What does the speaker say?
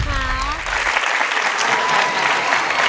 รักจากราตอนเช้ากาคงที่ตกคำ